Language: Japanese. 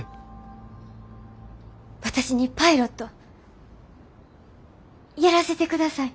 私にパイロットやらせてください。